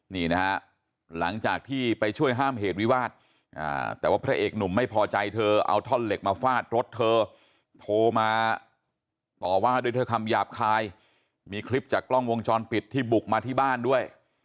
นี่นะฮะหลังจากที่ไปช่วยห้ามเหตุวิวาสแต่ว่าพระเอกหนุ่มไม่พอใจเธอเอาท่อนเหล็กมาฟาดรถเธอโทรมาต่อว่าด้วยคำหยาบคายมีคลิปจากกล้องวงจรปิดที่บุกมาที่บ้านด้วย